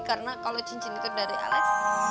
karena kalau cincin itu dari alex